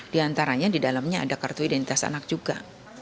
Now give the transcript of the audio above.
di antaranya di dalamnya ada kartu identitas anak juga